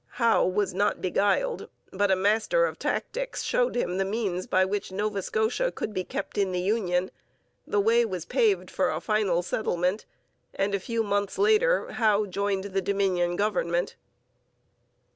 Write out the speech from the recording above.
Howe was not beguiled, but a master of tactics showed him the means by which Nova Scotia could be kept in the union; the way was paved for a final settlement; and a few months later Howe joined the Dominion government.